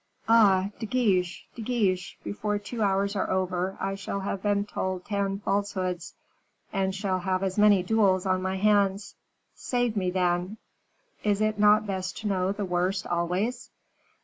Ah! De Guiche, De Guiche, before two hours are over, I shall have been told ten falsehoods, and shall have as many duels on my hands. Save me, then; is it not best to know the worst always?"